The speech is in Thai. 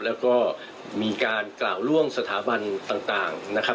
แล้วก็มีการกล่าวล่วงสถาบันต่างนะครับ